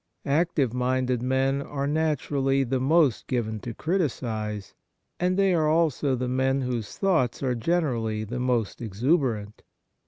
Active minded men are natur ally the most given to criticise, and they are also the men whose thoughts are generally the most exuberant.